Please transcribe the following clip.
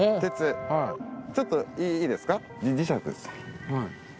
ちょっといいですか？